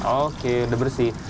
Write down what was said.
oke udah bersih